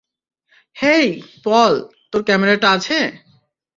হেই, Paul, তোর ক্যমেরাটা আছে?